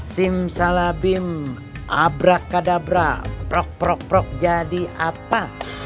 simsalabim abrakadabra prok prok prok jadi apa